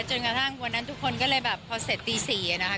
จนกระทั่งวันนั้นทุกคนก็เลยแบบพอเสร็จตี๔นะคะ